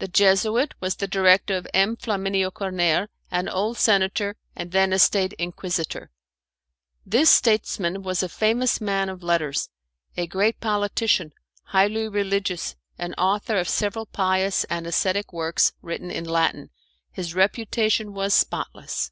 The Jesuit was the director of M. Flaminio Corner, an old senator, and then a State Inquisitor. This statesman was a famous man of letters, a great politician, highly religious, and author of several pious and ascetic works written in Latin. His reputation was spotless.